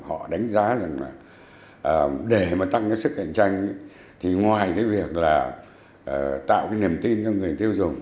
họ đánh giá rằng là để mà tăng cái sức cạnh tranh thì ngoài cái việc là tạo cái niềm tin cho người tiêu dùng